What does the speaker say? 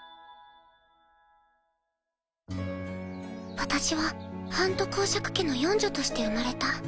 私はハント侯爵家の四女として生まれた。